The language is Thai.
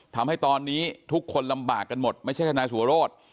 ทำให้ตอนนี้ทุกคนลำบากกันหมดไม่ใช่ทนายสัวโรธ